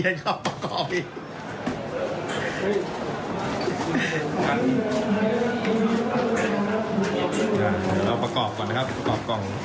เอาประกอบก่อนนะครับประกอบกล่อง